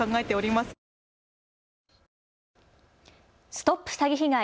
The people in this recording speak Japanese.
ＳＴＯＰ詐欺被害！